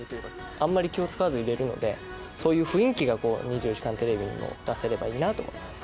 あんまり気を遣わずいれるので、そういう雰囲気がこう、２４時間テレビにも出せればいいなと思います。